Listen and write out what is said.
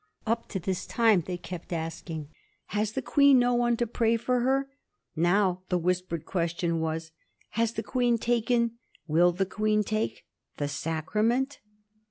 Up to this time they kept asking, " Has the Queen no one to pray with her?" Now the whispered question was, " Has the Queen taken — will the Queen take — the sacrament?"